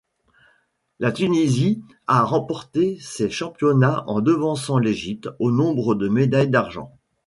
La Tunisie a remporté ces championnats en devançant l'Égypte au nombre de médailles d'argent.